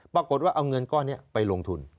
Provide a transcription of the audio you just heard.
ปรากฏว่าเอาเงินก้อนนี้ไปลงทุน